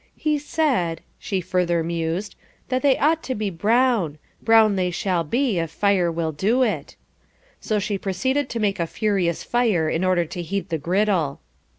"He said," she further mused, "that they ought to be brown; brown they shall be, if fire will do it." So she proceeded to make a furious fire, in order to heat the griddle.